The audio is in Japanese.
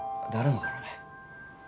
誰のだろうね？